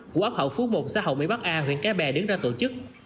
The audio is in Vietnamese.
của ấp hậu phú mộng xã hội mỹ bắc a huyện cái bè đứng ra tổ chức